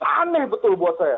aneh betul buat saya